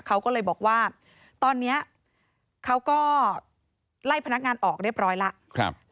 เขาก็เลยบอกว่าตอนนี้เขาก็ไล่พนักงานออกเรียบร้อยแล้ว